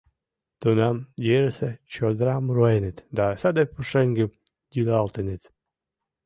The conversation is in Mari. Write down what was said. тунам йырысе чодырам руэныт да саде пушеҥгым йӱлалтеныт.